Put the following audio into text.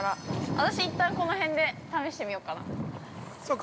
◆私、一旦、この辺で試してみようかな。